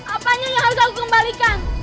apanya yang harus aku kembalikan